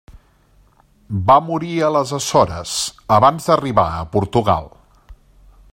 Va morir a les Açores, abans d'arribar a Portugal.